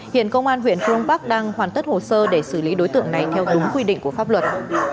hiện công an huyện phương bắc đang hoàn tất hồ sơ để xử lý đối tượng này theo đúng quy định của pháp luật